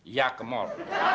iya ke mall